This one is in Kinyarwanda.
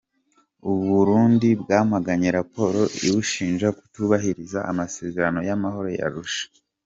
U Burundi bwamaganye raporo ibushinja kutubahiriza amasezerano y’amahoro ya Arusha